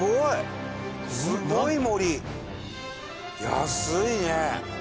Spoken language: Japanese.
安いね！